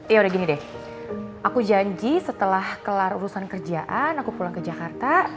ya udah gini deh aku janji setelah kelar urusan kerjaan aku pulang ke jakarta